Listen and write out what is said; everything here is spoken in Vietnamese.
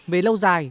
về lâu dài